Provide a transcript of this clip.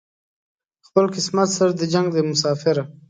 خپل قسمت سره دې جنګ دی مساپره